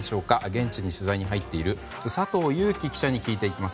現地に取材に入っている佐藤裕樹記者に聞いていきます。